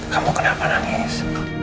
kamu kenapa nangis